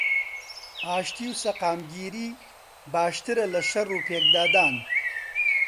ئاشتی و سەقامگیری باشترە لەشەڕ و پێکدادان